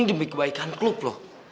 demi kebaikan klub loh